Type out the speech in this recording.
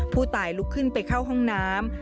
ผู้ตายลุกขึ้นไปเข้าห้องน้ำ